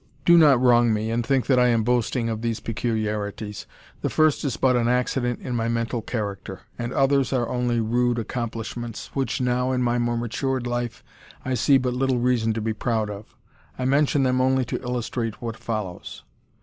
Do not wrong me, and think that I am boasting of these peculiarities. The first is but an accident in my mental character; and others are only rude accomplishments, which now, in my more matured life, I see but little reason to be proud of. I mention them only to illustrate what follows.